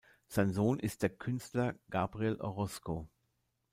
Sein Sohn ist der Künstler Gabriel Orozco.